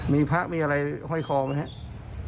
มีพระมีอะไรห้อยคอไหมครับ